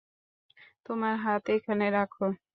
তোমার হাত এখানে রাখো।